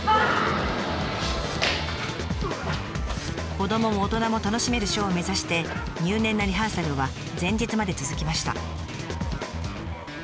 子どもも大人も楽しめるショーを目指して入念なリハーサルは前日まで続きました。